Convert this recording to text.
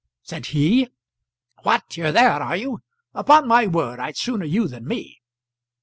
said he. "What; you're there, are you? Upon my word I'd sooner you than me."